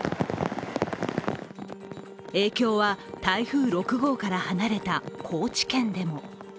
影響は台風６号から離れた高知県でも。